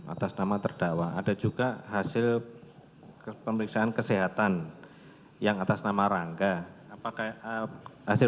atas nama terdakwa ada juga hasil pemeriksaan kesehatan yang atas nama rangga apakah hasil